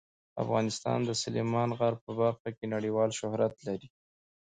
افغانستان د سلیمان غر په برخه کې نړیوال شهرت لري.